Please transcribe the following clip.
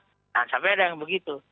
jangan sampai ada yang begitu